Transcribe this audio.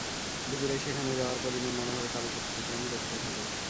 দুপুরে সেখানে যাওয়ার পর ইমন নানাভাবে কালক্ষেপণ করতে থাকে।